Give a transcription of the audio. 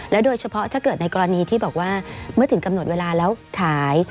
โดยเฉพาะถ้าเกิดในกรณีที่บอกว่าเมื่อถึงกำหนดเวลาแล้วขาย